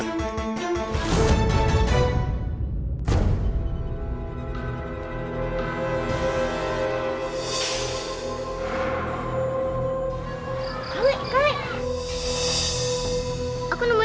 tidak ada tanah tanah